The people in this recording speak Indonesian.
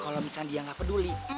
kalau misalnya dia nggak peduli